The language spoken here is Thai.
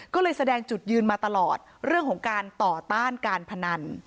ก็เลยแสดงจุดยืนมาตลอดเรื่องของการต่อต้านการพนัน